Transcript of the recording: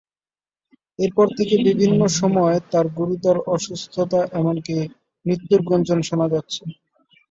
এরপর থেকে বিভিন্ন সময়ে তাঁর গুরুতর অসুস্থতা এমনকি মৃত্যুর গুঞ্জন শোনা গেছে।